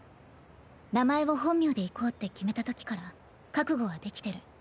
名前を本名でいこうって決めたときから覚悟はできてる。